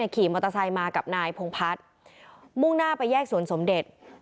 ขี่มอเตอร์ไซค์มากับนายพงพัฒน์มุ่งหน้าไปแยกสวนสมเด็จ